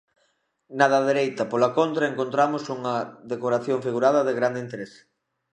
Na da dereita, pola contra, encontramos unha decoración figurada de grande interese.